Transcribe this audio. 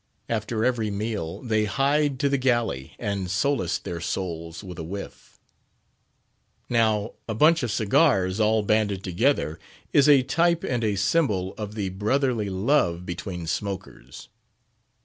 After every meal, they hied to the galley and solaced their souls with a whiff. Now a bunch of cigars, all banded together, is a type and a symbol of the brotherly love between smokers.